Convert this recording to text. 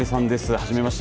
はじめまして。